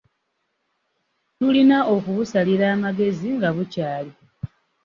Tulina okubusalira magezi nga bukyali.